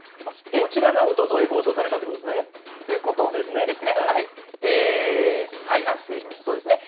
こちらがおととい放送されたということですね。ということですね。